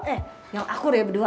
eh nyala aku deh ya berdua